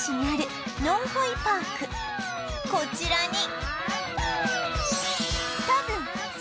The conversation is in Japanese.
こちらに